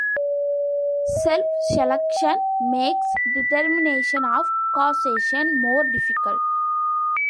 Self-selection makes determination of causation more difficult.